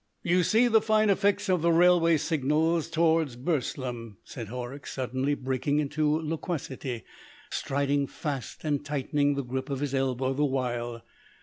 "You see the fine effect of the railway signals towards Burslem," said Horrocks, suddenly breaking into loquacity, striding fast and tightening the grip of his elbow the while.